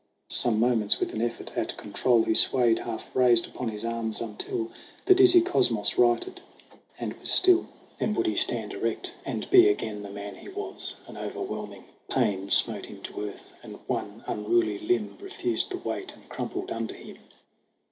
Some moments with an effort at control He swayed, half raised upon his arms, until The dizzy cosmos righted, and was still. 28 SONG OF HUGH GLASS Then would he stand erect and be again The man he was : an overwhelming pain Smote him to earth, and one unruly limb Refused the weight and crumpled under him.